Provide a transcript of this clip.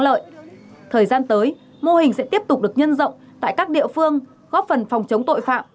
lợi thời gian tới mô hình sẽ tiếp tục được nhân rộng tại các địa phương góp phần phòng chống tội phạm